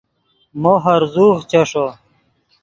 مو ہرزوغ چیݰو